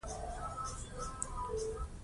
شپږم څپرکی